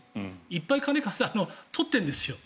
いっぱい金、取ってるんですよ。